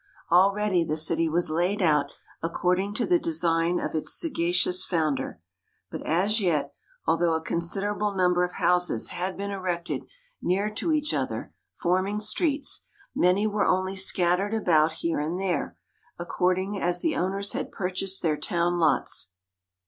Already the city was laid out according to the design of its sagacious founder, but as yet, although a considerable number of houses had been erected near to each other, forming streets, many were only scattered about here and there, according as the owners had purchased their town lots.